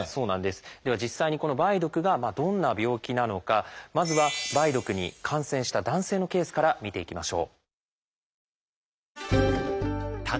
では実際にこの梅毒がどんな病気なのかまずは梅毒に感染した男性のケースから見ていきましょう。